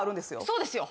そうですよ。